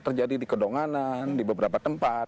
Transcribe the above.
terjadi di kedonganan di beberapa tempat